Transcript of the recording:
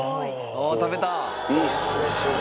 あぁ食べた。